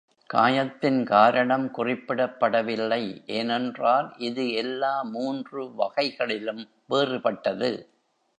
காயத்தின் காரணம் குறிப்பிடப்படவில்லை, ஏனென்றால் இது எல்லா மூன்று வகைகளிலும் வேறுபட்டது.